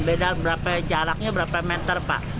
beda berapa jaraknya berapa meter pak